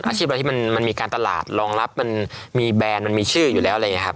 อาชีพอะไรที่มันมีการตลาดรองรับมันมีแบรนด์มันมีชื่ออยู่แล้วอะไรอย่างนี้ครับ